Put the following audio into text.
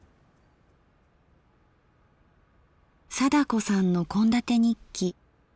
貞子さんの献立日記。